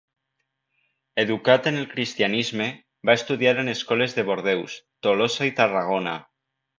Educat en el cristianisme, va estudiar en escoles de Bordeus, Tolosa i Tarragona.